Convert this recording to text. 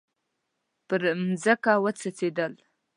پر مځکه وڅڅیدل